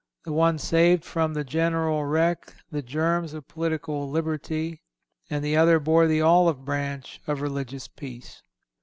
The one saved from the general wreck the germs of political liberty; and the other bore the olive branch of religious peace."